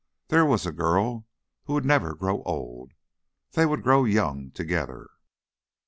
There was a girl who would never grow old. They would grow young together.